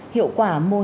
hiệu quả mô hình quản lý